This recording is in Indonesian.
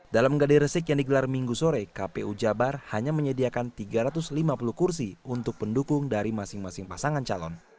dalam gadir resik yang digelar minggu sore kpu jabar hanya menyediakan tiga ratus lima puluh kursi untuk pendukung dari masing masing pasangan calon